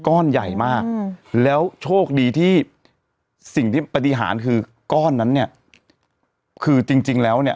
ก้อนใหญ่มากแล้วโชคดีที่สิ่งที่ปฏิหารคือก้อนนั้นเนี่ยคือจริงจริงแล้วเนี่ย